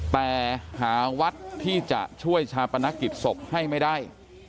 แต่หาวัดที่จะช่วยชาปนกิจศพให้ไม่ได้